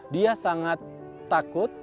dia sangat takut